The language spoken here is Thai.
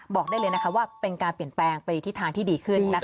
บอกได้เลยว่าเป็นการเปลี่ยนแปลงไปทิศทางที่ดีขึ้น